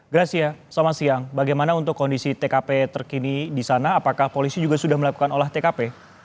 gracia selamat siang bagaimana untuk kondisi tkp terkini di sana apakah polisi juga sudah melakukan olah tkp